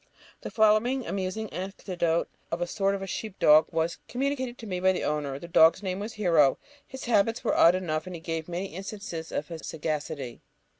The following amusing anecdote of a sort of sheep dog was communicated to me by its owner. The dog's name was Hero. His habits were odd enough, and he gave many instances of his sagacity.